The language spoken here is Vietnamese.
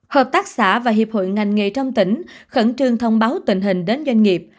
hợp tác xã và hiệp hội ngành nghề trong tỉnh khẩn trương thông báo tình hình đến doanh nghiệp